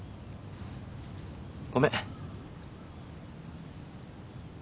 ごめん。